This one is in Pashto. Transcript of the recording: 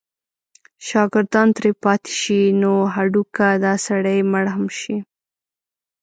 شاګردان ترې پاتې شي نو هډو که دا سړی مړ هم شي.